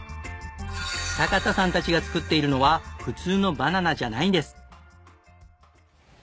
坂田さんたちが作っているのは普通のバナナじゃないんです。